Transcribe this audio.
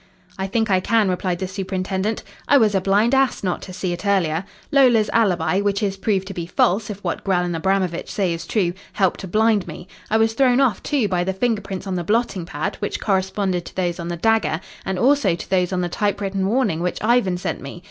"I think I can," replied the superintendent. "I was a blind ass not to see it earlier. Lola's alibi which is proved to be false, if what Grell and Abramovitch say is true helped to blind me. I was thrown off, too, by the finger prints on the blotting pad, which corresponded to those on the dagger, and also to those on the typewritten warning which Ivan sent me.